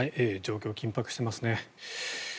状況、緊迫していますね。